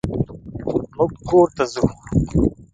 مونږ کور ته ځو.